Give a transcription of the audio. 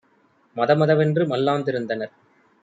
மதமத வென்று மல்லாந் திருந்தனர்!